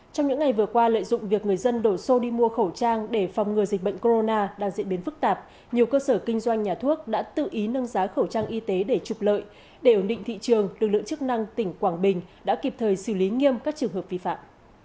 trong những ngày vừa qua lợi dụng việc người dân đổ xô đi mua khẩu trang để phòng ngừa dịch bệnh corona đang diễn biến phức tạp nhiều cơ sở kinh doanh nhà thuốc đã tự ý nâng giá khẩu trang y tế để trục lợi để ổn định thị trường lực lượng chức năng tỉnh quảng bình đã kịp thời xử lý nghiêm các trường hợp vi phạm